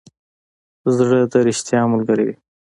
زړه د ریښتیا ملګری دی.